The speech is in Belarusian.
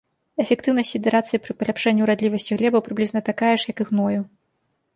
Эфектыўнасць сідэрацыі пры паляпшэнні ўрадлівасці глебаў прыблізна такая ж, як і гною.